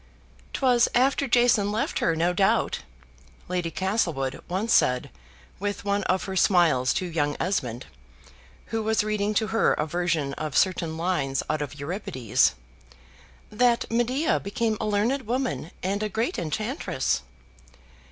"'Twas after Jason left her, no doubt," Lady Castlewood once said with one of her smiles to young Esmond (who was reading to her a version of certain lines out of Euripides), "that Medea became a learned woman and a great enchantress."